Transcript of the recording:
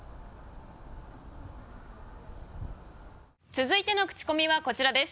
続いてのクチコミはこちらです。